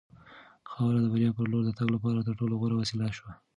خاوره د بریا په لور د تګ لپاره تر ټولو غوره وسیله شوه.